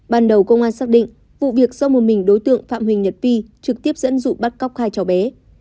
ban đầu công an xác định vụ việc do một mình đối tượng phạm huỳnh nhật vi trực tiếp dẫn dụ bắt cóc hai cháu bé